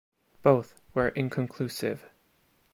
Both were inconclusive.